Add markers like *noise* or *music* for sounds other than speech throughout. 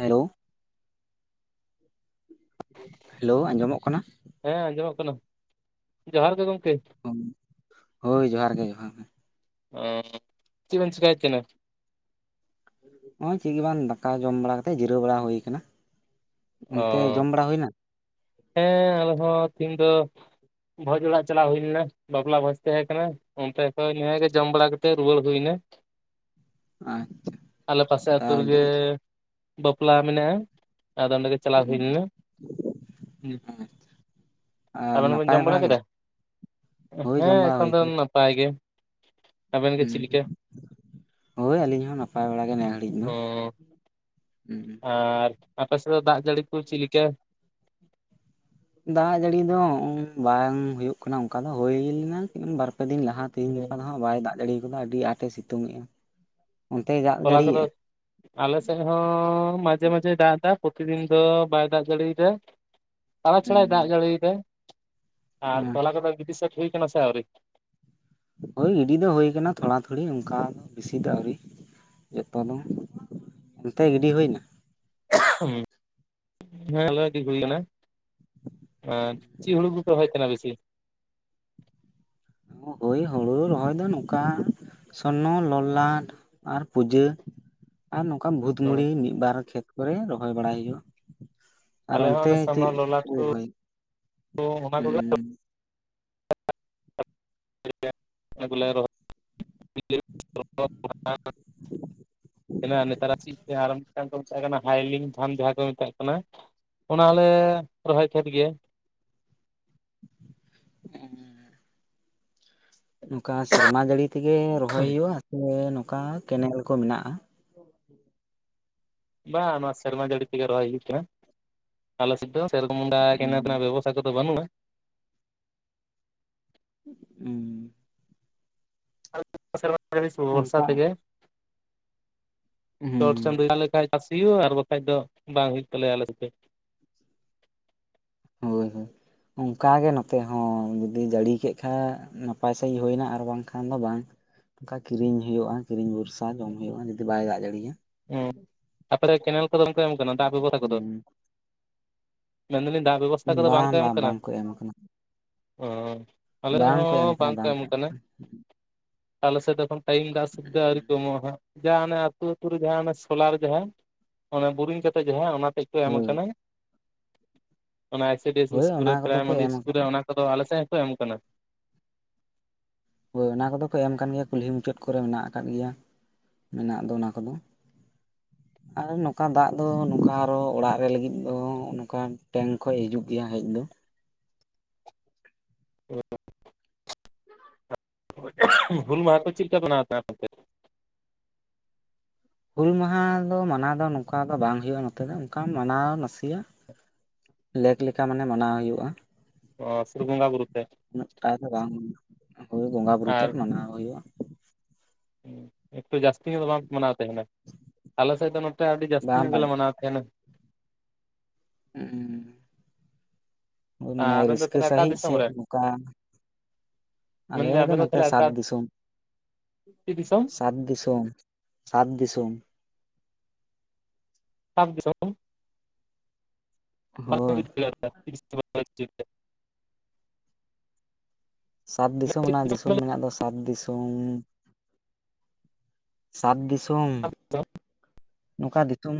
Hello hello ᱟᱸᱡᱚᱢᱚᱜ ᱠᱟᱱᱟ? ᱦᱮᱸ ᱟᱸᱡᱚᱢᱚᱜ ᱠᱟᱱᱟ ᱡᱚᱦᱟᱨ ᱜᱮ ᱜᱚᱝᱠᱮ᱾ ᱦᱳᱭ ᱡᱚᱦᱟᱨ ᱜᱮ ᱡᱚᱦᱟᱨ ᱜᱮ᱾ ᱦᱩᱸ ᱪᱮᱜᱵᱮᱱ ᱪᱮᱠᱟᱭᱮᱛ ᱛᱟᱦᱮᱱᱟ? ᱱᱚᱜᱼᱚᱭ ᱪᱮᱜ ᱜᱮ ᱵᱟᱝ ᱫᱟᱠᱟ ᱡᱚᱢ ᱵᱟᱲᱟ ᱠᱟᱛᱮ ᱡᱤᱨᱟᱹᱣ ᱵᱟᱲᱟ ᱦᱩᱭ ᱠᱟᱱᱟ᱾ ᱚ ᱦᱮᱸ ᱟᱞᱮ ᱦᱚᱸ ᱛᱦᱤᱧ ᱫᱚ ᱵᱷᱚᱡᱽ ᱚᱲᱟᱜ ᱪᱟᱞᱟᱣ ᱦᱩᱭ ᱞᱮᱱᱟ᱾ ᱵᱟᱯᱞᱟ ᱵᱷᱟᱡᱽ ᱛᱟᱦᱮᱸ ᱠᱟᱱᱟ ᱚᱱᱛᱮ ᱠᱷᱚᱱ ᱱᱮᱜ-ᱮ ᱡᱚᱢ ᱵᱟᱲᱟ ᱠᱟᱛᱮ ᱨᱩᱣᱟᱹᱲ ᱦᱩᱭ ᱮᱱᱟ᱾ ᱟᱨ ᱟᱞᱮ ᱯᱟᱥᱮ ᱟᱹᱛᱩ ᱨᱮᱜᱮ ᱵᱟᱯᱞᱟ ᱢᱮᱱᱟᱜᱼᱟ ᱟᱫᱚ ᱚᱱᱰᱮᱜᱮ ᱪᱟᱞᱟᱣ ᱦᱩᱭ ᱞᱮᱱᱟ ᱦᱮᱸ᱾ ᱟᱨ ᱟᱵᱮᱱ ᱵᱮᱱ ᱱᱟᱯᱟᱭ ᱡᱚᱢ ᱵᱟᱲᱟ ᱜᱮ ᱠᱮᱫᱟ ᱦᱳᱭ ᱡᱚᱢ ᱦᱮᱸ ᱵᱟᱲᱟ ᱮᱠᱷᱚᱱ ᱦᱩᱭ ᱫᱚ ᱱᱟᱯᱟᱭ ᱜᱮ᱾ ᱟᱵᱮᱱ ᱜᱮ ᱪᱮᱫ ᱞᱮᱠᱟ ᱦᱩᱸ ᱦᱳᱭ ᱟᱹᱞᱤᱧ ᱦᱚᱸ ᱱᱟᱯᱟᱭ ᱵᱟᱲᱟ ᱜᱮ ᱱᱤ ᱜᱷᱟᱹᱲᱤᱡ ᱫᱚ᱾ ᱚ ᱦᱩᱸᱻ ᱟᱨ ᱟᱯᱮ ᱥᱮᱫ ᱫᱚ ᱫᱟᱜ ᱡᱟᱹᱲᱤ ᱠᱚ ᱪᱮᱫ ᱞᱮᱠᱟ? ᱫᱟᱜ ᱡᱟᱹᱲᱤ ᱫᱚ ᱵᱟᱝ ᱦᱩᱭᱩᱜ ᱠᱟᱱᱟ ᱚᱱᱠᱟ ᱫᱚ ᱦᱩᱭ ᱞᱮᱱᱟ ᱵᱟᱨᱯᱮ ᱫᱤᱱ ᱞᱟᱦᱟ, ᱛᱮᱦᱧ ᱜᱟᱯᱟ ᱫᱚ ᱦᱟᱜ ᱵᱟᱭ ᱫᱟᱜ ᱫᱟᱲᱤ ᱟᱠᱟᱫᱟ ᱟᱹᱰᱤ ᱟᱸᱴᱮ ᱥᱤᱛᱩᱝ ᱮᱫᱼᱟ, ᱚᱱᱛᱮ ᱫᱟᱜ ᱛᱚᱞᱟ ᱠᱚᱫᱚ ᱡᱟᱹᱲᱤᱭᱮᱜᱼᱟ ᱟᱞᱮ ᱮᱥᱮᱫ ᱦᱚᱸ ᱢᱟᱡᱷᱮ ᱢᱟᱡᱷᱮᱭ ᱫᱟᱜ ᱫᱟ ᱯᱚᱛᱤᱫᱤᱱ ᱫᱚ ᱵᱟᱭ ᱫᱟᱜ ᱡᱟᱲᱤᱭᱮᱫᱟ᱾ ᱪᱷᱟᱲᱟ ᱪᱷᱟᱲᱟᱭ ᱫᱟᱜ ᱡᱟᱹᱲᱤᱭᱮᱫᱟᱭ ᱟᱨ ᱛᱚᱞᱟ ᱠᱚᱫᱚ ᱜᱤᱰᱤ ᱥᱟᱹᱛ ᱦᱩᱭ ᱠᱟᱱᱟ ᱥᱮ ᱟᱹᱣᱨᱤ? ᱦᱳᱭ ᱜᱤᱰᱤ ᱫᱚ ᱦᱳ ᱟᱠᱟᱱᱟ ᱛᱷᱚᱲᱟ ᱛᱷᱩᱚᱲᱤ ᱚᱱᱠᱟ ᱵᱤᱥᱤ ᱫᱚ ᱟᱹᱣᱨᱤ᱾ ᱡᱚᱛᱚᱱᱟ, ᱚᱱᱛᱮ ᱜᱤᱰᱤ ᱦᱩᱭ ᱱᱟ? *unintelligible* ᱦᱮᱸ ᱟᱞᱮ ᱜᱤᱰᱤ ᱡᱳᱭ ᱠᱟᱱᱟ᱾ ᱟᱨ ᱪᱮᱜ ᱦᱩᱲᱩ ᱠᱚᱯᱮ ᱨᱚᱦᱚᱭ ᱛᱟᱸᱦᱮᱱᱟ ᱵᱤᱥᱤ? ᱦᱚᱭ ᱦᱩᱲᱩ ᱨᱚᱦᱚᱭ ᱫᱚ ᱱᱚᱝᱠᱟ ᱥᱚᱨᱱᱚ ᱞᱚᱞᱟᱴ ᱟᱨ ᱯᱩᱡᱟᱹ᱾ ᱟᱨ ᱱᱚᱝᱠᱟ ᱵᱷᱩᱛ ᱢᱩᱲᱤ ᱦᱩᱸ ᱢᱤᱫ ᱵᱟᱨ ᱠᱷᱮᱛ ᱠᱚᱨᱮ ᱨᱚᱦᱚᱭ ᱵᱟᱲᱟᱭ ᱦᱩᱭᱩᱜᱼᱟ᱾ ᱟᱨ ᱟᱞᱮ ᱦᱚᱸ ᱚᱱᱛᱮ ᱚᱱᱮ ᱥᱚᱨᱱᱚ ᱪᱮᱫ ᱞᱚᱞᱟᱴ ᱠᱚ ᱨᱚᱦᱚᱭᱟ? ᱚᱱᱟ ᱠᱚᱜᱮ ᱦᱩᱸ *unintelligible* *unintelligible* *unintelligible* ᱩᱸᱻ ᱱᱚᱝᱠᱟ ᱥᱮᱨᱢᱟ ᱡᱟᱹᱲᱤ ᱛᱮᱜᱮ ᱨᱚᱦᱚᱭ ᱦᱩᱭᱩᱜᱼᱟ ᱥᱮ ᱱᱚᱝᱠᱟ ᱠᱮᱱᱮᱞ ᱠᱚ ᱢᱮᱱᱟᱜᱼᱟ? ᱵᱟᱝ ᱱᱚᱣᱟ ᱥᱮᱨᱢᱟ ᱡᱟᱹᱲᱤ ᱛᱮᱜᱮ ᱨᱚᱦᱚᱭ ᱦᱩᱭᱩᱜ ᱠᱟᱱᱟ᱾ ᱟᱞᱮ ᱥᱮᱫ ᱫᱚ ᱥᱮᱨᱚᱠᱚᱢ ᱵᱮᱵᱚᱥᱛᱟ ᱠᱚ ᱫᱚ ᱵᱟᱹᱱᱩᱜᱼᱟ᱾ ᱩᱸᱻ ᱟᱞᱮ ᱫᱚ ᱥᱮᱨᱢᱟ ᱡᱟ. ᱲᱤ ᱵᱚᱨᱥᱟ ᱚᱱᱠᱟ ᱛᱮᱜᱮ᱾ ᱦᱩᱸ ᱪᱚᱴ ᱪᱟᱸᱫᱚ ᱡᱟᱸᱦᱟ ᱞᱮᱠᱟ ᱪᱟᱥ ᱦᱩᱭᱩᱜᱼᱟ ᱟᱨ ᱵᱟᱠᱷᱟᱡ ᱫᱚ ᱵᱟᱝ ᱦᱩᱭᱩᱜ ᱛᱟᱞᱮᱭᱟ ᱟᱞᱮ ᱦᱳᱭ ᱦᱳᱭ *inaudible* ᱚᱱᱠᱟᱜᱮ ᱱᱚᱛᱮ ᱦᱚᱸ ᱡᱩᱫᱤ ᱡᱟᱹᱲᱤ ᱠᱮᱫ ᱠᱷᱟᱡ ᱱᱟᱯᱟᱭ ᱥᱟᱺᱦᱤᱡ ᱦᱩᱭᱱᱟ ᱟᱨ ᱵᱟᱝᱠᱷᱟᱱ ᱫᱚ ᱵᱟᱝ᱾ ᱚᱱᱠᱟ ᱠᱤᱨᱤᱧ ᱦᱩᱭᱩᱜᱼᱟ᱾ ᱠᱤᱨᱤᱧ ᱵᱚᱨᱥᱟ ᱡᱚᱢ ᱦᱩᱭᱩᱜᱼᱟ ᱡᱩᱫᱤ ᱵᱟᱭ ᱫᱟᱜ ᱡᱟ. ᱲᱤᱭᱟ᱾ ᱚ ᱟᱯᱮᱫᱚ ᱠᱮᱱᱮᱞ ᱠᱚᱫᱚ ᱠᱚ ᱮᱢ ᱠᱟᱱᱟ ᱫᱟᱜ ᱵᱮᱵᱚᱥᱛᱟ ᱠᱚᱫᱚ? ᱦᱩᱸ ᱢᱮᱱᱫᱟᱞᱤᱧ ᱫᱟᱜ ᱵᱮᱵᱚᱥᱛᱟ ᱠᱚᱫᱚ ᱵᱟᱝ ᱠᱚ ᱮᱢᱚᱜ ᱠᱟᱱᱟ᱾ᱚᱸᱻ ᱵᱟᱝᱠᱚ ᱮᱢ ᱠᱟᱱᱟ ᱟᱞᱮᱭᱟᱜ ᱵᱟᱝᱠᱚ ᱦᱚᱸ ᱮᱢ ᱠᱟᱱᱟ ᱵᱟᱝᱠᱚ ᱮᱢ ᱠᱟᱱᱟ᱾ *unintelligible* ᱟ. ᱛᱩ ᱨᱮ ᱡᱟᱦᱟᱸ ᱚᱱᱟ ᱥᱚᱞᱟᱨ ᱡᱟᱦᱟᱸ ᱚᱱᱮ ᱵᱩᱨᱤᱝ ᱠᱟᱛᱮᱜ ᱡᱟᱦᱟᱸ ᱚᱱᱟ ᱛᱮᱫ ᱠᱚ ᱮᱢ ᱦᱳᱭ ᱟᱠᱟᱱᱟ᱾ ᱚᱱᱟ ᱟᱭᱥᱤ ᱰᱤᱭᱮᱥ ᱦᱳᱭ ᱤᱥᱠᱩᱞ ᱚᱱᱟ ᱨᱮ ᱠᱚᱫᱚ ᱠᱚ ᱯᱨᱟᱭᱢᱟᱨᱤ ᱮᱢ ᱤᱥᱠᱩᱞ ᱟᱠᱟᱫ ᱨᱮ ᱚᱱᱟ ᱠᱚᱫᱚ ᱟᱞᱮ ᱥᱮᱫ ᱦᱚᱸᱠᱚ ᱮᱢ ᱟᱠᱟᱱᱟ᱾ ᱦᱚᱭ ᱚᱱᱟ ᱠᱚᱫᱚ ᱠᱚ ᱮᱢ ᱠᱟᱱ ᱜᱮᱭᱟ ᱠᱩᱞᱦᱤ ᱢᱩᱪᱟᱹᱫ ᱠᱚᱨᱮ ᱢᱮᱱᱟᱜ ᱟᱠᱟᱫ ᱜᱮᱭᱟ᱾ ᱢᱮᱱᱟᱜ ᱫᱚ ᱚᱱᱟ ᱠᱚᱫᱚ᱾ *inaudible* ᱟᱨ ᱱᱚᱝᱠᱟ ᱫᱟᱜ ᱫᱚ ᱱᱚᱝᱠᱟ ᱟᱨᱚ ᱚᱲᱟᱜ ᱨᱮ ᱞᱟᱹᱜᱤᱫ ᱫᱚ ᱱᱚᱝᱠᱟ ᱴᱮᱝᱠ ᱠᱷᱚᱡ ᱦᱤᱡᱩᱜ ᱜᱮᱭᱟ ᱦᱮᱡ ᱫᱚ᱾ *unintelligible* ᱦᱩᱞ ᱢᱟᱦᱟ ᱫᱚ ᱢᱟᱱᱟᱣ ᱫᱚ ᱱᱚᱝᱠᱟ ᱫᱚ ᱵᱟᱝ ᱦᱩᱭᱩᱜᱼᱟ ᱱᱚᱛᱮ ᱫᱚ ᱚᱱᱠᱟ ᱢᱟᱱᱟᱣ ᱱᱟᱥᱮᱭᱟᱜ ᱞᱮᱠ ᱞᱮᱠᱷᱟ ᱢᱟᱱᱮ ᱢᱟᱱᱟᱣ ᱦᱩᱭᱩᱜᱼᱟ᱾ ᱚ ᱥᱩᱫᱷᱩ ᱵᱚᱸᱜᱟ ᱵᱩᱨᱩ ᱛᱮᱫ᱾ ᱩᱱᱟᱹᱜ ᱴᱟ ᱫᱚ ᱵᱟᱝ ᱦᱚᱭ ᱵᱚᱸᱜᱟ ᱵᱩᱨᱩ ᱟᱨ ᱛᱮᱫ ᱢᱟᱱᱟᱣ ᱦᱩᱭᱩᱜᱼᱟ᱾ ᱮᱠᱴᱩ ᱡᱟᱹᱥᱛᱤ ᱧᱚᱜ ᱫᱚ ᱵᱟᱝᱠᱚ ᱢᱟᱱᱟᱣ ᱛᱟᱦᱮᱸᱱᱟ᱾ ᱟᱞᱮᱥᱮᱫ ᱫᱚ ᱱᱚᱛᱮ ᱟᱹᱰᱤ ᱡᱟᱹᱥᱛᱤ ᱵᱟᱝ ᱧᱚᱜ ᱜᱮᱞᱮ ᱵᱟᱝ ᱢᱟᱱᱟᱣ ᱛᱟᱸᱦᱮᱱᱟ᱾ ᱦᱩᱸᱻ ᱚ ᱢᱟᱱᱮ ᱟᱵᱮᱱ ᱫᱚ ᱨᱟᱹᱥᱠᱟᱹ ᱛᱟᱦᱚᱞᱮ ᱚᱠᱟ ᱥᱟᱺᱦᱤᱡ ᱫᱤᱥᱚᱢ ᱥᱮ ᱨᱮᱱ ᱱᱚᱝᱠᱟ ᱟᱞᱮ ᱢᱮᱱᱫᱟᱹᱧ ᱫᱚ ᱟᱵᱮᱱ ᱱᱚᱛᱮ ᱛᱟᱦᱚᱞᱮ ᱥᱟᱛ ᱚᱠᱟ ᱫᱤᱥᱚᱢ᱾ ᱪᱮᱫ ᱫᱤᱥᱚᱢ ᱥᱟᱛ ᱫᱤᱥᱚᱢ ᱥᱟᱛ ᱫᱤᱥᱚᱢ᱾ ᱥᱟᱛ ᱫᱤᱥᱚᱢ᱾ ᱦᱳᱭ *unintelligible* ᱥᱟᱛ ᱫᱤᱥᱚᱢ ᱨᱮᱱᱟᱜ ᱫᱤᱥᱚᱢ ᱢᱮᱱᱟᱜ ᱫᱚ ᱥᱟᱛ ᱫᱤᱥᱚᱢ᱾ ᱥᱟᱛ ᱫᱤᱥᱚᱢ ᱱᱚᱝᱠᱟ ᱫᱤᱛᱩᱢ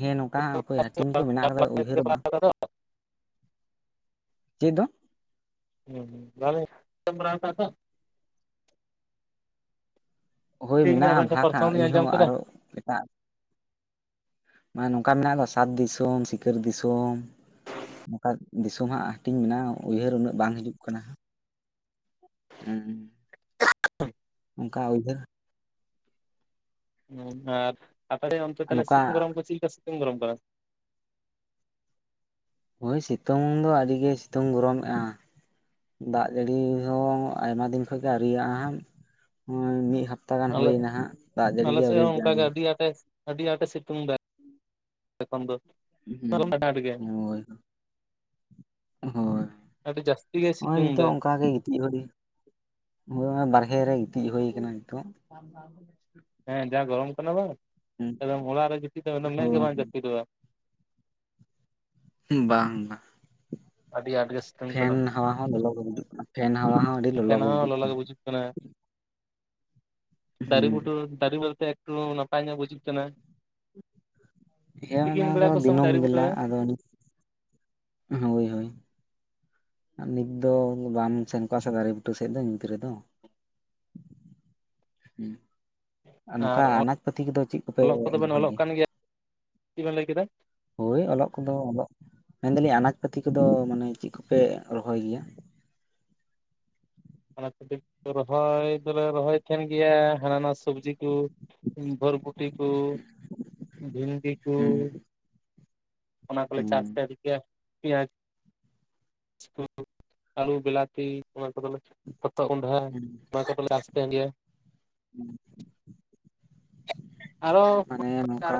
ᱦᱮᱸ ᱱᱚᱝᱠᱟ ᱦᱟᱯᱩᱭ ᱦᱟᱹᱴᱤᱧ ᱠᱚ ᱢᱮᱱᱟᱜ ᱟᱠᱟᱫᱟ᱾ ᱪᱮᱫ ᱦᱚᱸ ᱵᱟᱝ᱾ ᱪᱮᱫ ᱫᱚ *unintelligible* ᱦᱚᱭ ᱜᱮ ᱢᱮᱱᱟᱜᱼᱟ ᱟᱵᱮᱱ ᱴᱷᱮᱱ ᱵᱷᱟᱜᱽᱟᱜ ᱯᱨᱚᱛᱷᱚᱢ ᱞᱤᱧ ᱤᱧᱦᱚ ᱟᱸᱡᱚᱢ ᱠᱮᱫᱟ ᱟᱨᱦᱚ ᱮᱴᱟᱜ ᱢᱟᱱᱮ ᱱᱚᱝᱠᱟ ᱢᱮᱱᱟᱜ ᱜᱚ ᱥᱟᱛ ᱫᱤᱥᱚᱢ ᱥᱤᱠᱟᱹᱨ ᱫᱤᱥᱚᱢ᱾ ᱱᱚᱝᱠᱟ ᱫᱤᱥᱚᱢ ᱦᱟᱸᱜ ᱦᱟᱹᱴᱤᱧ ᱢᱮᱱᱟᱜᱼᱟ ᱩᱭᱦᱟᱹᱨ ᱩᱱᱟᱹᱜ ᱵᱟᱝ ᱦᱤᱡᱩᱜ ᱠᱟᱱᱟ᱾ ᱩᱸ ᱦᱩ ᱚᱱᱠᱟ ᱩᱭᱦᱟᱹᱨ ᱟᱨ ᱟᱯᱮ ᱚᱱᱛᱮ ᱛᱟᱦᱚᱞᱮ ᱱᱚᱝᱠᱟ ᱥᱤᱛᱩᱝ ᱜᱨᱚᱢ ᱠᱚ ᱪᱮᱫᱞᱮᱠᱟ ᱥᱤᱛᱩᱝ ᱜᱨᱚᱢ ᱠᱟᱱᱟ? ᱥᱤᱛᱩᱝ ᱫᱚ ᱟᱹᱰᱤ ᱜᱮ ᱥᱤᱛᱩᱝ ᱜᱚᱨᱚᱢᱮᱫᱼᱟᱭ ᱾ ᱫᱟᱜ ᱡᱟᱹᱲᱤ ᱦᱚᱸ ᱟᱭᱢᱟ ᱫᱤᱱ ᱠᱷᱚᱡᱜᱮ ᱟᱹᱨᱤᱭᱟᱜᱼᱟ, ᱦᱚᱜᱚᱭ ᱢᱤ ᱦᱟᱯᱛᱟ ᱢᱤᱫ ᱦᱟᱯᱛᱟ ᱜᱟᱱ ᱟᱞᱮ ᱦᱩᱭᱮᱱᱟ ᱦᱟᱸᱜ ᱫᱟᱜ ᱡᱟᱹᱲᱤ ᱟᱞᱮ ᱜᱮ ᱥᱮᱫ ᱟᱹᱣᱨᱤ ᱦᱚᱸ ᱚᱱᱠᱟᱜᱮ ᱦᱤᱡᱩᱜ-ᱟ, ᱟᱹᱰᱤ ᱟᱸᱴᱮ ᱟᱹᱰᱤ ᱟᱴ ᱮ ᱥᱮᱛᱩᱝ ᱮᱫᱟ ᱾ ᱮᱠᱷᱚᱱ ᱫᱚ *unintelligible* ᱦᱩᱸ ᱦᱳᱭ ᱦᱳᱭ, ᱟᱹᱰᱤ ᱡᱟᱹᱥᱛᱤ ᱜᱮᱭ ᱱᱚᱜᱼᱚᱭ ᱥᱤᱛᱩᱝ ᱱᱤᱛᱚᱜ ᱫᱟ ᱚᱱᱠᱟ ᱜᱮ ᱜᱤᱛᱤᱡᱚᱜ ᱞᱟᱜᱤᱫ ᱦᱚᱭ ᱚᱱᱟ ᱵᱟᱨᱦᱮ ᱨᱮ ᱜᱤᱛᱤᱡ ᱦᱩᱭ ᱟᱠᱟᱱᱟ ᱱᱤᱛᱚᱜ ᱾ ᱦᱮᱸ ᱡᱟ ᱜᱚᱨᱚᱢ ᱠᱟᱱᱟ ᱵᱟᱝ ᱮᱠᱫᱚᱢ ᱚᱲᱟᱜ ᱨᱮ ᱡᱟᱯᱤᱫᱚᱜ ᱢᱮᱫ ᱜᱮ ᱦᱳᱭ ᱵᱟᱝ ᱡᱟᱹᱯᱤ ᱫᱚᱜᱼᱟ ᱾ ᱵᱟᱝ ᱵᱟᱝ ᱟᱹᱰᱤ ᱟᱸᱴᱜᱮ ᱥᱤ ᱯᱷᱮᱱ ᱦᱟᱣᱟ ᱦᱚᱸ ᱞᱚᱞᱚ ᱜᱮ ᱵᱩᱡᱷᱟᱜ ᱠᱟᱱᱟ, ᱯᱷᱮᱱ ᱦᱟᱣᱟ ᱦᱚᱸ ᱟᱹᱰᱤ ᱞᱚᱞᱚ ᱜᱮ ᱵᱩᱡᱷᱟᱜ ᱠᱟᱱ ᱾ ᱢᱟᱱᱮ ᱫᱟᱨᱮ ᱦᱩᱸ ᱵᱩᱴᱟᱹ ᱫᱟᱨᱮ ᱮᱠᱴᱩ ᱱᱟᱯᱟᱭ ᱧᱚᱜ ᱵᱩᱡᱩᱜ ᱠᱟᱱᱟ ᱾ ᱦᱮᱸ ᱚᱱᱟ ᱛᱤᱠᱤᱱ ᱫᱚ ᱵᱮᱲᱟ ᱠᱚᱥᱚᱜ ᱫᱤᱱᱟᱹᱢ ᱫᱟᱨᱮ ᱵᱩᱴᱟᱹᱨᱮ, *unintelligible* ᱦᱳᱭ ᱦᱳᱭ ᱟᱨ ᱱᱤᱛ ᱫᱚ ᱵᱟᱢ ᱥᱮᱱ ᱠᱚᱜᱼᱟ ᱥᱮ ᱫᱟᱨᱮ ᱵᱩᱴᱟᱹ ᱥᱮᱫ ᱫᱚ ᱧᱩᱛ ᱨᱮᱫᱚ ᱦᱩᱸ ᱱᱚᱝᱠᱟ ᱟᱨ ᱟᱱᱟᱡ ᱯᱟᱛᱤ ᱠᱚᱫᱚ ᱪᱮᱫ ᱠᱚᱯᱮ ᱚᱞᱚᱜ ᱠᱚᱫᱚ ᱵᱮᱱ ᱨᱚᱦᱚᱭ ᱚᱞᱚᱜ ᱜᱮᱭᱟ ᱠᱟᱱ ᱪᱮᱫ ᱵᱮᱱ ᱞᱟᱹᱭ ᱠᱮᱫᱟ ᱾ ᱦᱳᱭ ᱚᱞᱚᱜ ᱠᱚᱫᱚ ᱚᱞᱚᱜ, ᱢᱮᱱᱫᱟᱞᱤᱧ ᱟᱱᱟᱡ ᱯᱟᱹᱛᱤ ᱠᱚᱫᱚ ᱢᱟᱱᱮ ᱪᱮᱫ ᱠᱚᱯᱮ ᱨᱚᱦᱚᱭ ᱜᱮᱭᱟ? ᱚᱱᱟ ᱠᱷᱟᱹᱛᱤᱨ ᱨᱚᱦᱚᱭ ᱫᱚᱞᱮ ᱨᱚᱦᱚᱭ ᱛᱟᱦᱮᱱ ᱜᱮᱭᱟ ᱦᱟᱱᱟ ᱱᱟᱣᱟ ᱥᱚᱵᱡᱤ ᱠᱚ ᱾ ᱵᱚᱨᱵᱚᱴᱤ ᱠᱚ, ᱵᱷᱤᱱᱰᱤ ᱠᱚ, ᱦᱩᱸ ᱚᱱᱟ ᱠᱚᱞᱮ ᱪᱟᱥ ᱦᱩᱸ *unintelligible* ᱜᱤᱭᱟᱹ ᱾ ᱯᱮᱸᱭᱟᱡᱽ... *unintelligible* ᱟᱹᱞᱩ ᱵᱤᱞᱟᱛᱤ ᱚᱱᱟ ᱠᱳᱫᱳ ᱞᱮ ᱦᱚᱛᱚᱜ ᱠᱚᱱᱰᱷᱟ ᱦᱩᱸ ᱱᱚᱣᱟ ᱠᱚᱞᱮ ᱪᱟᱥ ᱛᱟᱦᱮ ᱜᱮᱭᱟ ᱾ *unintelligible* *unintelligible* ᱢᱟᱱᱮ ᱦᱟᱱᱟ ᱱᱚᱝᱠᱟ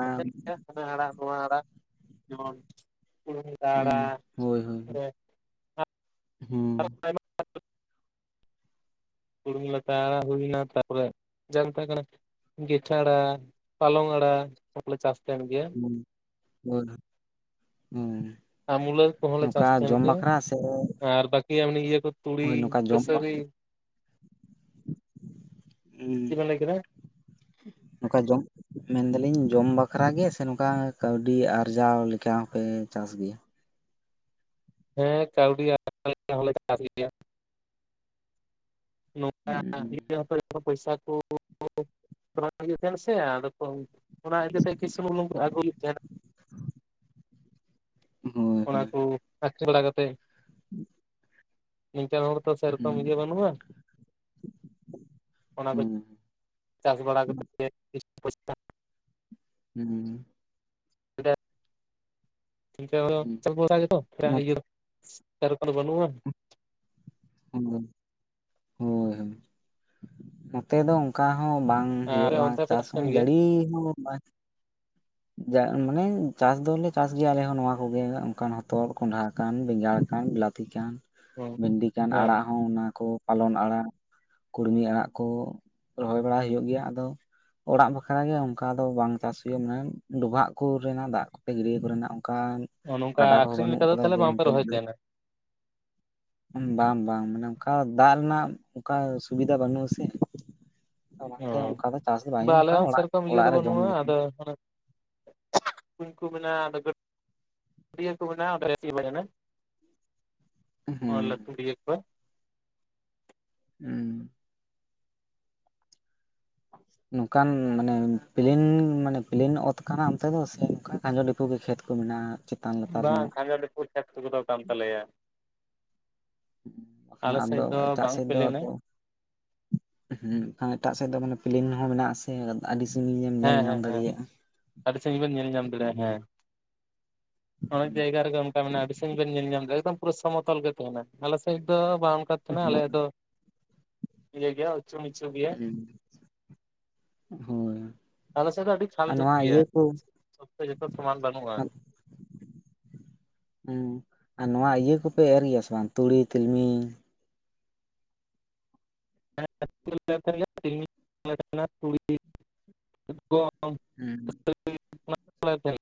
ᱟᱲᱟᱜ ᱱᱚᱣᱟ ᱟᱲᱟᱜ ᱡᱮᱢᱚᱱ ᱢᱩᱸᱜᱟᱹ ᱦᱩᱸ ᱟᱲᱟᱜ ᱦᱳᱭ ᱦᱳᱭ ᱦᱩᱸ ᱥᱮ ᱦᱩᱸ ᱠᱩᱲᱩᱢ ᱞᱟᱛᱟ ᱦᱩᱲᱩ ᱦᱩᱭᱱᱟ, ᱛᱟᱨᱯᱚᱨᱮ ᱡᱟᱱᱛᱟ ᱠᱟᱱᱟ ᱜᱚᱭᱴᱷᱟ ᱟᱲᱟ, ᱯᱟᱞᱚᱝ ᱟᱲᱟ, ᱚᱱᱟ ᱠᱚᱞᱮ ᱪᱟᱥ ᱛᱟᱦᱮᱱ ᱜᱮᱭᱟ ᱾ *unintelligible* ᱦᱩᱸ ᱟ ᱢᱩᱞᱟᱹ ᱠᱚᱦᱚᱸ ᱞᱮ ᱱᱚᱝᱠᱟ ᱪᱟᱥ ᱛᱟᱦᱮᱱ ᱡᱚᱢ ᱜᱮᱭᱟ, ᱵᱟᱠᱷᱨᱟ ᱥᱮ ᱟᱨ ᱵᱟᱠᱤ ᱟᱜ ᱤᱭᱟᱹ ᱠᱚ ᱛᱩᱲᱤ ᱦᱳᱭ ᱱᱚᱝᱠᱟ ᱡᱚᱢ ᱠᱟᱹᱥᱟᱹᱨᱤ ᱦᱩᱸ ᱪᱮᱫ ᱵᱮᱱ ᱞᱟᱹᱭ ᱠᱮᱫᱟ? ᱱᱚᱝᱠᱟ ᱡᱚᱢ ᱢᱮᱱᱫᱟᱞᱤᱧ ᱡᱚᱢ ᱵᱟᱠᱷᱟᱨᱟᱜ ᱜᱮ ᱥᱮ ᱱᱚᱝᱠᱟ ᱠᱟᱹᱣᱰᱤ ᱟᱨᱡᱟᱣ ᱞᱮᱠᱟ ᱦᱚᱸᱯᱮ ᱪᱟᱥ ᱜᱮᱭᱟ ᱾ ᱦᱮᱸ ᱠᱟᱹᱣᱰᱤ ᱟᱨᱡᱟᱣ ᱞᱮᱠᱟ ᱪᱟᱥ ᱦᱩᱭᱩᱜ ᱜᱮᱭᱟ ᱾ ᱱᱚᱝᱠᱟ... *unintelligible* ᱯᱚᱭᱥᱟ ᱠᱚ, ᱚᱱᱟ ᱤᱭᱟᱹᱜ ᱛᱟᱦᱮᱱᱟ ᱥᱮ ᱟᱫᱚ ᱠᱚ ᱚᱱᱟ ᱤᱫᱤᱛᱮ... *unintelligible* ᱟᱹᱜᱩᱭ ᱞᱮᱫᱮᱫ ᱛᱟᱦᱮᱱᱟ ᱦᱳᱭ ᱚᱱᱟ ᱦᱳᱭ ᱠᱚ ᱟᱪᱪᱟᱞᱟ ᱠᱟᱛᱮᱫ ᱱᱤᱝᱠᱟ. ᱱ ᱦᱚᱲ ᱛᱚ ᱥᱮᱨᱚᱠᱚᱢ ᱤᱭᱟᱹ ᱦᱩᱸ ᱵᱟᱹᱱᱩᱜᱼᱟ ᱾ ᱚᱱᱟ ᱠᱚ ᱪᱟᱥ ᱵᱟᱲᱟ ᱠᱟᱛᱮ *unintelligible* ᱦᱩᱸ ᱦᱩᱸ *unintelligible* ᱵᱷᱚᱨᱥᱟ ᱜᱮᱛᱚ ᱱᱚᱛ ᱤᱭᱟᱹ ᱥᱮᱨᱚᱠᱚᱢ ᱫᱚ ᱵᱟᱹᱱᱩᱜᱼᱟ ᱾ ᱦᱩᱸ ᱦᱳᱭᱸ ᱦᱳᱭᱸ, ᱱᱚᱛᱮ ᱫᱚ ᱚᱱᱠᱟ ᱦᱚᱸ ᱵᱟᱝ ᱟᱨ ᱦᱩᱭᱩᱜᱼᱟ, ᱚᱱᱛᱮ ᱯᱮ ᱪᱟᱥ ᱛᱟᱦᱮᱱ ᱦᱚᱸ ᱜᱮᱭᱟ ᱡᱟᱹᱲᱤ ᱦᱚᱸ ᱵᱟᱝ ᱡᱟ ᱢᱟᱱᱮ ᱪᱟᱥ ᱫᱚᱞᱮ ᱪᱟᱥ ᱜᱮᱭᱟ ᱟᱞᱮᱦ ᱱᱚᱣᱟ ᱠᱚᱜᱮ ᱚᱱᱠᱟᱱ, ᱦᱚᱛᱚᱫ ᱠᱚᱸᱱᱰᱷᱟ ᱠᱟᱱ, ᱵᱮᱸᱜᱟᱲ ᱠᱟᱱ, ᱞᱟ ᱛᱤ ᱠᱟᱱ ᱦᱮᱸ ᱵᱷᱤᱱᱰᱤ ᱠᱟᱱ, ᱟᱲᱟᱜ ᱦᱚᱸ ᱚᱱᱟ ᱠᱚ ᱯᱟᱞᱚᱱ ᱟᱲᱟᱜ ᱠᱩᱲᱢᱤ ᱟᱲᱟᱜ ᱠᱚ ᱨᱚᱦᱚᱭ ᱵᱟᱲᱟ ᱦᱩᱭᱩᱜ ᱜᱮᱭᱟ, ᱟᱫᱚ, ᱚᱲᱟᱜ ᱵᱟᱠᱷᱨᱟ ᱜᱮ ᱚᱱᱠᱟ ᱫᱚ ᱵᱟᱝ ᱪᱟᱥ ᱦᱩᱭᱩᱜᱼᱟ, ᱢᱟᱱᱮ ᱰᱚᱵᱷᱟᱜ ᱠᱚᱨᱮᱱᱟᱜ ᱫᱟᱜ ᱠᱚᱛᱮ ᱜᱟᱹᱰᱤᱭᱟᱹ ᱠᱚᱨᱮᱱᱟᱜ ᱚᱱᱠᱟᱱ ᱱᱚᱝᱠᱟ ᱜᱟᱰᱟ ᱠᱚᱦᱚᱸ ᱟᱠᱷᱨᱤᱧ ᱞᱮᱠᱟ ᱵᱟᱹᱱᱩᱜ ᱫᱚ ᱠᱟᱫᱟ ᱛᱟᱦᱚᱞᱮ ᱡᱮ ᱵᱟᱝᱯᱮ ᱢᱮᱱᱛᱮᱫ ᱨᱚᱦᱚᱭ ᱛᱟᱦᱮᱱᱟ ᱵᱟᱝ ᱵᱟᱝ ᱢᱟᱱᱮ ᱚᱱᱠᱟ ᱫᱟᱜ ᱨᱮᱱᱟᱜ ᱚᱱᱠᱟ ᱥᱩᱵᱤᱫᱷᱟ ᱵᱟᱹᱱᱩᱜ ᱟᱥᱮ ᱚᱱᱟᱛᱮ ᱚᱱᱠᱟ ᱫᱚ ᱪᱟᱥ ᱫᱚ ᱵᱟᱝ ᱚᱻ ᱦᱩᱭᱩᱜᱼᱟ ᱟᱞᱮ ᱚᱱᱠᱟ ᱦᱚᱸ ᱚᱲᱟᱜ ᱥᱮᱨᱚᱠᱚᱢ ᱤᱭᱟᱹ ᱫᱚ ᱚᱲᱟᱜ ᱨᱮ ᱡᱚᱢ ᱵᱟᱹᱱᱩᱜᱼᱟ ᱞᱮᱠᱟ ᱟᱫᱚ ᱩᱱᱟᱹᱜ ᱾ ᱠᱩᱧ ᱠᱚ ᱢᱮᱱᱟᱜ-ᱟ ᱟᱫᱚ ᱜᱟᱹᱴ ᱜᱟᱹᱰᱤᱭᱟᱹ ᱠᱚ ᱢᱮᱱᱟᱜ-ᱟ.. *unintelligible* ᱦᱮᱸ ᱚᱱᱟ ᱞᱟᱹᱴᱩ ᱜᱟᱹᱰᱤᱭᱟᱹᱠᱚ *unintelligible* ᱦᱩᱸ ᱱᱚᱝᱠᱟᱱ ᱢᱟᱱᱮ ᱯᱮᱞᱮᱱ ᱢᱟᱱᱮ ᱯᱮᱞᱮᱱ ᱚᱛ ᱠᱟᱱᱟ ᱚᱱᱛᱮ ᱫᱚ ᱥᱮ ᱱᱝᱠᱟᱱ ᱠᱷᱟᱸᱡᱚ ᱰᱷᱤᱠᱩ ᱜᱮ ᱠᱷᱮᱛ ᱠᱚ ᱢᱮᱱᱟᱜ-ᱟ ᱪᱮ ᱵᱟᱝ ᱠᱷᱟᱸᱡᱚ ᱰᱷᱟᱹᱠᱚ ᱪᱟᱥ ᱠᱚ ᱯᱩᱨᱟᱹᱣ ᱠᱟᱱ ᱛᱟᱞᱮᱭᱟ *unintelligible* ᱦᱩᱸ ᱟᱠᱷᱟᱱ ᱟᱞᱮ ᱟᱫᱚ ᱥᱮᱫ ᱫᱚ ᱮᱴᱟᱜ ᱵᱟᱝ ᱥᱮᱫ ᱫᱚ ᱯᱮᱞᱮᱱᱟ ᱟᱵᱚ ᱦᱩᱸ ᱮᱠᱷᱟᱱ ᱮᱴᱟᱜ ᱥᱮᱫ ᱫᱚ ᱢᱟᱱᱮ ᱯᱮᱞᱮᱱ ᱦᱚᱸ ᱢᱮᱱᱟᱜᱼᱟ ᱟᱥᱮ ᱛᱮ ᱟᱹᱰᱤ ᱥᱟᱺᱜᱤᱧ ᱮᱢ ᱧᱮᱞ ᱦᱮᱸ ᱧᱟᱢ ᱦᱮᱸ ᱦᱮᱸ ᱫᱟᱲᱮᱭᱟᱜᱼᱟ ᱟᱹᱰᱤ ᱥᱟᱺᱜᱤᱧ ᱵᱮᱱ ᱧᱮᱞ ᱧᱟᱢ ᱦᱩᱸ ᱢᱚᱡᱽ ᱡᱟᱭᱜᱟ ᱨᱮ ᱜᱮ *unintelligible* ᱚᱠᱟ ᱢᱮᱱᱟ ᱟᱹᱰᱤ ᱥᱟᱺᱜᱤᱧ ᱵᱮᱱ ᱧᱮᱞ ᱧᱟᱢᱮᱫᱟ ᱮᱠᱫᱚᱢ ᱯᱩᱨ ᱥᱚᱢᱚᱛᱚᱞ ᱜᱮ ᱛᱟᱦᱮᱸᱱᱟ ᱟᱞᱮ ᱥᱮᱫ ᱫᱚ ᱵᱟᱝ ᱚᱱᱠᱟ ᱛᱟᱦᱮᱱᱟ ᱟᱞᱮᱭᱟᱜ ᱫᱚ ᱤᱭᱟᱹ ᱜᱮᱭᱟ ᱩᱪᱩ ᱱᱤᱪᱩ ᱜᱮᱭᱟ ᱾ ᱦᱳᱭ ᱟᱞᱮ ᱥᱮᱫ ᱫᱚ ᱟᱹᱰᱤ ᱪᱷᱟᱱ ᱟᱨ ᱰᱷᱤᱯ ᱱᱚᱣᱟ ᱜᱮᱭᱟ ᱤᱭᱟᱹ ᱠᱚ ᱥᱚᱵᱽᱛᱮ ᱡᱚᱛᱚ ᱥᱚᱢᱟᱱ ᱵᱟᱹᱱᱩᱜᱼᱟ ᱾ ᱦᱩᱸ ᱟᱨ ᱱᱚᱣᱟ ᱤᱭᱟᱹ ᱠᱚᱯᱮ ᱮᱨ ᱜᱮᱭᱟ ᱥᱮ ᱵᱟᱝ ᱛᱩᱲᱤ ᱛᱤᱞᱢᱤᱧ ᱛᱤᱞᱢᱤᱧ ᱛᱟᱦᱮᱸᱱᱟ ᱛᱩᱲᱤ *inaudible* ᱜᱩᱦᱩᱢ ᱦᱮᱸ ᱚᱱᱟ ᱠᱚᱞᱮ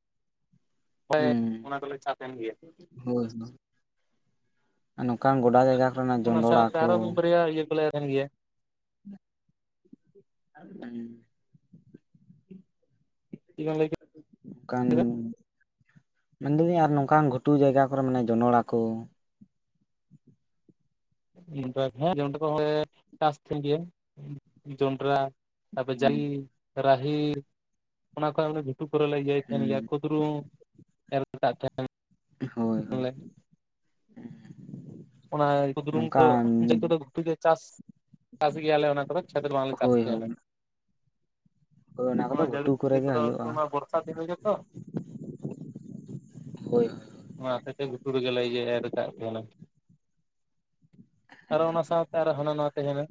*inaudible* ᱦᱳᱭ ᱦᱮᱸ ᱚᱱᱟ ᱫᱚᱞᱮ ᱪᱲᱥ ᱮᱫ ᱜᱮᱭᱟ ᱾ ᱦᱳᱭ ᱥᱮ ᱵᱟᱝ? ᱟᱨ ᱱᱚᱝᱠᱟᱱ ᱜᱚᱰᱟ ᱡᱟᱜᱟ ᱠᱚᱨᱮᱱᱟᱜ ᱡᱚᱸᱱᱰᱨᱟ ᱠᱚ ᱯᱮᱞᱮᱱ ᱠᱟᱱ ᱜᱮᱭᱟ ᱾ ᱦᱩᱸ ᱪᱮᱛ ᱠᱚᱢ ᱞᱟᱹᱭ ᱠᱮᱜᱼ ᱟ ᱾ ᱚᱱᱠᱟᱱ ᱢᱮᱱ ᱫᱟᱹᱞᱤᱧ ᱟᱨ ᱱᱚᱝᱠᱟᱱ ᱜᱷᱩᱴᱩ ᱡᱟᱭᱜᱟ ᱠᱚᱨᱮ ᱢᱟᱱᱮ ᱡᱚᱱᱚᱲᱟ ᱠᱚ ᱢᱤᱫ ᱵᱟᱨ ᱦᱮᱸ ᱡᱚᱱᱰᱨᱟ ᱠᱚ ᱦᱚᱸ ᱞᱮ ᱪᱟᱥ ᱛᱟᱦᱮᱫ ᱜᱮᱭᱟ ᱡᱚᱱᱰᱨᱟ *unintelligible* ᱛᱟᱨᱯᱚᱨᱮ ᱦᱩᱸ ᱡᱟᱝ ᱨᱟᱦᱮᱲ ᱚᱱᱟ ᱠᱚ *unintelligible* ᱜᱷᱩᱴᱩ ᱠᱚᱨᱮᱞᱮ ᱤᱭᱟᱹᱭ ᱛᱟᱦᱮᱸᱱ ᱜᱮᱭᱟ ᱦᱩᱸ ᱠᱩᱫᱽᱨᱩᱢ ᱮᱨ ᱠᱟᱜ ᱛᱟᱦᱮᱸᱱ *unintelligible* ᱦᱳᱭ ᱦᱳᱭ ᱱᱚᱠᱮ *unintelligible* ᱚᱱᱟ ᱠᱩᱫᱨᱩᱢ ᱠᱚ ᱱᱚᱝᱠᱟᱱ ᱜᱷᱩᱴᱩ ᱨᱮ ᱪᱟᱥ *unintelligible* ᱪᱟᱥ ᱜᱮᱭᱟᱞᱮ ᱚᱱᱟ ᱠᱚᱫᱚ ᱪᱟᱹᱛ ᱵᱚᱸᱜᱟ ᱞᱮ ᱪᱟᱥ ᱦᱳᱭ ᱦᱳᱭ ᱛᱟᱦᱮᱱᱟ ᱦᱳᱭ ᱚᱱᱟ ᱠᱚᱫᱚ ᱡᱟᱹᱲᱤ ᱜᱷᱩᱴᱩ ᱠᱚᱨᱮ ᱤᱭᱟᱹ ᱜᱮ ᱠᱚᱫᱚ ᱦᱩᱭᱩᱜᱼᱟ ᱚᱱᱟ ᱵᱚᱨᱥᱟ ᱫᱤᱱ ᱨᱮᱜᱮ ᱛᱚ ᱾ ᱦᱳᱭ ᱾ ᱚᱱᱟ ᱛᱮᱜᱮ ᱜᱷᱩᱴᱩ ᱨᱮ ᱜᱮᱞᱮ ᱮᱨ ᱟᱠᱟᱫ ᱛᱟᱦᱮᱱᱟ ᱾ ᱟᱨ ᱦᱚᱸ ᱚᱱᱟ ᱥᱟᱶᱛᱮ ᱟᱨ ᱦᱚᱸ ᱦᱟᱱᱟ ᱱᱷᱟᱣᱟ ᱛᱟᱦᱮᱱᱟ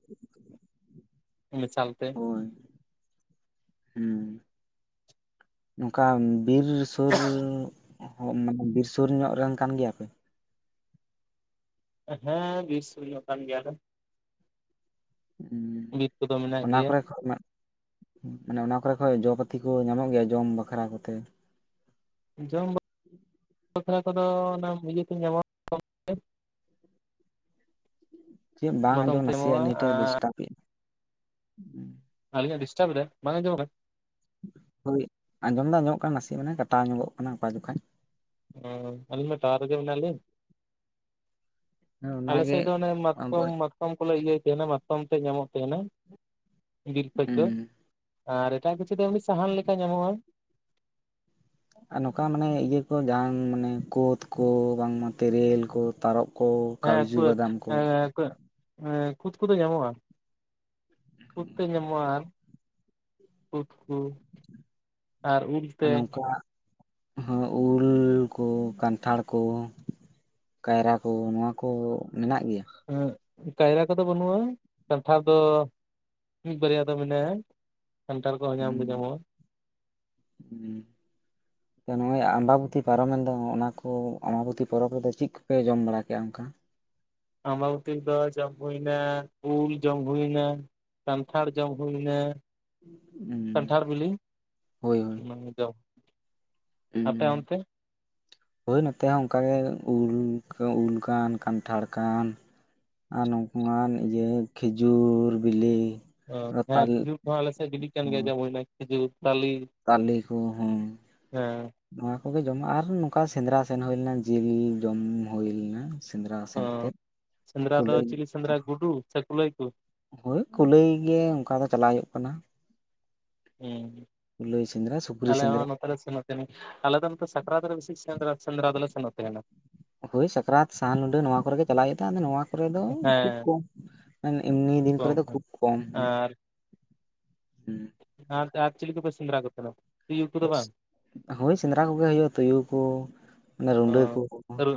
ᱢᱮᱥᱟᱞ ᱛᱮ ᱦᱳᱭ ᱦᱮᱸ ᱾ ᱱᱚᱝᱠᱟ ᱵᱤᱨ ᱥᱩᱨ ᱢᱟᱱᱮ ᱵᱤᱨ ᱥᱩᱨ ᱧᱚᱜ ᱨᱮᱱ ᱠᱟᱱ ᱜᱮᱭᱟᱯᱮ ᱦᱮᱸ ᱵᱤᱨ ᱥᱩᱨ ᱧᱚᱜ ᱠᱟᱱ ᱜᱮᱭᱟᱞᱮ ᱾ ᱵᱤᱨ ᱠᱚᱫᱚ ᱢᱮᱱᱟᱜ ᱚᱱᱟ ᱜᱮᱭᱟ ᱠᱚᱨᱮ ᱠᱷᱚᱛ *unintelligible* ᱢᱟᱱᱮ ᱚᱱᱟ ᱠᱚᱨᱮ ᱠᱷᱚᱡ ᱡᱚ ᱯᱟᱹᱛᱤ ᱠᱚ ᱧᱟᱢᱚᱜ ᱜᱮᱭᱟ ᱡᱚᱢ ᱵᱟᱠᱷᱨᱟ ᱠᱚᱛᱮ ᱡᱚᱢ ᱵᱟᱠᱷᱨᱟ ᱠᱚᱫᱚ ᱚᱱᱟ ᱤᱭᱟᱹ ᱵᱤᱞᱤ ᱠᱚ ᱧᱟᱢᱚᱜᱼᱟ ᱾ ᱪᱮᱫ ᱵᱟᱝ ᱢᱟᱛᱠᱚᱢ ᱟᱸᱡᱚᱢ ᱛᱮ ᱱᱟᱥᱮᱭᱟᱜ ᱧᱟᱢᱚᱜᱼᱟ ᱱᱮᱴ ᱮ ᱟᱨ ᱰᱤᱥᱴᱟᱯ ᱟᱹᱞᱤᱧᱟᱜ ᱰᱤᱥᱴᱟᱨᱵᱽ ᱮᱫᱟᱭ ᱵᱟᱝ ᱟᱸᱡᱚᱢᱚᱜ ᱠᱟᱱᱟ ᱦᱳᱭ ᱟᱸᱡᱚᱢ ᱫᱚ ᱟᱸᱡᱚᱢ ᱧᱚᱜ ᱠᱟᱱᱟ ᱱᱟᱥᱮ ᱢᱟᱱᱮ ᱠᱟᱴᱟᱣ ᱧᱚᱜᱚᱜ ᱠᱟᱱᱟ ᱚᱠᱟ ᱡᱚᱠᱷᱟᱡ ᱦ ᱟᱹᱞᱤᱧ ᱢᱟ ᱴᱟᱣᱟᱨ ᱨᱮᱜᱮ ᱢᱮᱱᱟᱜ ᱞᱤᱧ ᱟᱞᱮ ᱚᱱᱟᱜᱮ ᱥᱮᱫ ᱫᱚ ᱚᱱᱮ ᱟᱫᱚ ᱢᱟᱛᱠᱚᱢ ᱢᱟᱛᱠᱚᱢ ᱠᱚᱞᱮ ᱤᱭᱟᱹᱭᱮᱫ ᱛᱟᱦᱮᱸᱱᱟ ᱢᱟᱛᱠᱚᱢ ᱛᱮ ᱧᱟᱢᱚᱜ ᱛᱟᱦᱮᱸᱱᱟ ᱵᱤᱨ ᱠᱷᱚᱡ ᱫᱚ ᱦᱩᱸ ᱟᱨ ᱮᱴᱟᱜ ᱠᱤᱪᱷᱩ ᱫᱚ ᱮᱢᱱᱤ ᱥᱟᱦᱟᱱ ᱞᱮᱠᱟ ᱧᱟᱢᱚᱜᱼᱟ ᱟᱨ ᱱᱚᱝᱠᱟ ᱢᱟᱱᱮ ᱤᱭᱟᱹ ᱠᱚ ᱡᱟᱦᱟᱱ ᱢᱟᱱᱮ ᱠᱳᱛ ᱠᱚ ᱵᱟᱝᱢᱟ ᱛᱮᱨᱮᱞ ᱠᱚ ᱛᱟᱨᱚᱯ ᱠᱚ ᱠᱟᱹᱡᱩ ᱵᱟᱫᱟᱢ ᱠᱚ ᱦᱮᱸ ᱮ ᱠᱳᱫᱽ ᱠᱚᱫᱚ ᱧᱟᱢᱚᱜᱼᱟ ᱠᱳᱫᱽ ᱛᱮ ᱧᱟᱢᱚᱜᱼᱟ ᱠᱳᱫᱽ ᱠᱚ ᱟᱨ ᱩᱞ ᱟᱨ ᱛᱮ ᱱᱚᱝᱠᱟ ᱦᱚᱸ ᱩᱞ ᱠᱚ ᱠᱟᱱᱴᱷᱟᱲ ᱠᱚ ᱠᱟᱭᱨᱟ ᱠᱚ ᱱᱚᱣᱟ ᱠᱚ ᱢᱮᱱᱟᱜ ᱜᱮᱭᱟ ᱦᱮᱸ ᱠᱟᱭᱨᱟ ᱠᱚᱫᱚ ᱵᱟᱹᱱᱩᱜᱼᱟ ᱠᱟᱱᱴᱷᱟᱲ ᱫᱚ ᱢᱤᱫ ᱵᱟᱨᱭᱟ ᱫᱚ ᱢᱮᱱᱟᱭᱟ ᱠᱟᱱᱴᱷᱟᱲ ᱠᱚᱦᱚᱸ ᱧᱟᱢ ᱫᱚ ᱧᱟᱢᱚᱜ ᱦᱮᱸ *inaudible* ᱱᱚᱜᱼᱚᱭ ᱟᱢᱵᱟᱵᱚᱛᱤ ᱯᱟᱨᱚᱵᱽ ᱢᱮᱱ ᱫᱚ ᱚᱱᱟ ᱠᱚ ᱟᱢᱵᱟᱵᱚᱛᱤ ᱯᱚᱨᱚᱵᱽ ᱨᱮᱫᱚ ᱪᱮᱫ ᱠᱚᱯᱮ ᱡᱚᱢ ᱵᱟᱲᱟᱠᱮᱫᱼᱟ ᱚᱱᱠᱟ ᱟᱢᱵᱟᱵᱚᱛᱤ ᱨᱮᱫᱚ ᱡᱚᱢ ᱦᱩᱭᱱᱟ ᱩᱞ ᱡᱚᱢ ᱦᱩᱭᱱᱟ ᱠᱟᱱᱴᱷᱟᱲ ᱡᱚᱢ ᱦᱩᱭᱱᱟ ᱮᱸ ᱠᱟᱱᱴᱷᱟᱲ ᱵᱤᱞᱤ ᱦᱳᱭ ᱦᱳᱭ ᱟᱯᱮ ᱚᱱᱛᱮ? ᱦᱳᱭ ᱱᱚᱛᱮ ᱦᱚᱸ ᱚᱱᱠᱟ ᱜᱮ ᱩᱞ-ᱠᱟᱹ ᱩᱞ ᱠᱟᱱ ᱠᱟᱱᱴᱷᱟᱲ ᱠᱟᱱ᱾ ᱟᱨ ᱱᱚᱝᱠᱟᱱ ᱤᱡᱟᱹ ᱠᱷᱤᱡᱩᱨ ᱵᱮᱞᱮ᱾ ᱚ ᱦᱮᱸ ᱠᱷᱤᱡᱩᱨ ᱠᱚᱦᱚᱸ ᱟᱞᱮ ᱥᱮᱫ ᱵᱤᱞᱤᱜ ᱠᱟᱱ ᱜᱮᱭᱟ ᱡᱚᱢ ᱦᱳᱭᱱᱟ ᱠᱷᱤᱡᱩᱨ ᱛᱟᱞᱮ᱾ ᱛᱟᱞᱮ ᱠᱚ ᱦᱮᱸ᱾ ᱦᱮᱸ ᱱᱚᱣᱟ ᱠᱚᱜᱮ ᱡᱚᱢ ᱟᱨ ᱟᱨᱦᱚ ᱱᱚᱝᱠᱟ ᱥᱮᱸᱫᱽᱨᱟ ᱥᱮᱱ ᱦᱩᱭ ᱞᱮᱱᱟ ᱡᱤᱞ ᱡᱚᱢ ᱦᱩᱭ ᱞᱮᱱᱟ᱾ ᱥᱮᱸᱫᱽᱨᱟ ᱥᱮᱱ ᱠᱟᱛᱮ ᱦᱚᱸ ᱥᱮᱸᱫᱽᱨᱟ ᱫᱚ ᱠᱩᱞᱟᱹᱭ- ᱪᱤᱞᱤ ᱥᱮᱸᱫᱽᱨᱟ ᱜᱩᱰᱩ ᱥᱮ ᱠᱩᱞᱟᱹᱭ ᱠᱚ ᱦᱳᱭ ᱠᱩᱞᱟᱹᱭ ᱜᱮ ᱚᱱᱠᱟ ᱫᱚ ᱪᱟᱞᱟᱜ ᱦᱩᱭᱩᱜ ᱠᱟᱱᱟ᱾ ᱦᱮᱸ᱾ ᱠᱩᱞᱟᱹᱭ ᱥᱮᱸᱫᱽᱨᱟ ᱥᱩᱠᱨᱤ ᱥᱮᱸᱫᱽᱨᱟ ᱟᱞᱮ ᱫᱚ ᱱᱚᱛᱮ ᱥᱟᱠᱨᱟᱛ ᱨᱮ ᱵᱮᱥᱤ ᱥᱮᱸᱫᱨᱟ-ᱥᱮᱸᱫᱽᱨᱟ ᱫᱚᱞᱮ ᱥᱮᱱᱚᱜ ᱛᱟᱦᱮᱱᱟ᱾ ᱦᱳᱭ ᱥᱟᱠᱨᱟᱛ ᱥᱟᱦᱟᱱ ᱞᱩᱸᱰᱟᱹ ᱱᱚᱣᱟ ᱠᱚᱨᱮᱜᱮ ᱪᱟᱞᱟᱣ ᱦᱩᱭᱩᱜ ᱛᱟᱦᱮᱱ, ᱟᱫᱚ ᱱᱚᱣᱟ ᱠᱚᱨᱮ ᱫᱚ ᱠᱷᱩᱵ ᱦᱮᱸ ᱠᱚᱢ᱾ *unintelligible* ᱮᱢᱱᱤ ᱫᱤᱱ ᱠᱚᱨᱮ ᱫᱚ ᱠᱷᱩᱵ ᱠᱚᱢ᱾ ᱟᱨ ᱟᱨ ᱟᱨ ᱪᱤᱞᱤ ᱠᱚᱯᱮ ᱥᱮᱸᱫᱨᱟ ᱠᱚ ᱛᱟᱦᱮᱸᱱᱟ? ᱦᱳᱭ ᱥᱮᱸᱫᱽᱨᱟ ᱠᱚᱜᱮ ᱦᱩᱭᱩᱜᱼᱟ ᱛᱩᱭᱩ ᱠᱚ, ᱢᱟᱱᱮ ᱨᱩᱰᱟᱹ ᱠᱚ᱾ ᱚ